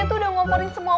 dia tuh udah ngomongin semua